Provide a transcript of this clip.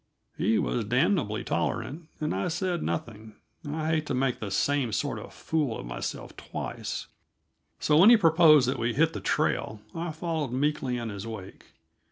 He was damnably tolerant, and I said nothing. I hate to make the same sort of fool of myself twice. So when he proposed that we "hit the trail," I followed meekly in his wake.